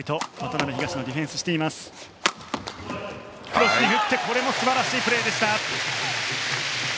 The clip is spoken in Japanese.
クロスに振ってこれも素晴らしいプレーでした。